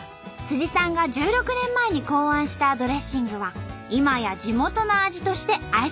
さんが１６年前に考案したドレッシングは今や地元の味として愛されています。